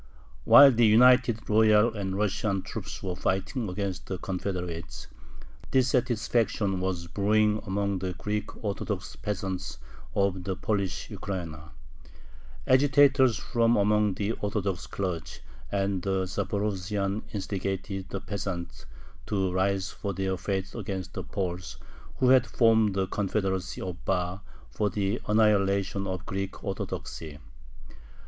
While the united royal and Russian troops were fighting against the Confederates, dissatisfaction was brewing among the Greek Orthodox peasants of the Polish Ukraina. Agitators from among the Orthodox clergy and the Zaporozhians instigated the peasants to rise for their faith against the Poles, who had formed the Confederacy of Bar for the annihilation of Greek Orthodoxy.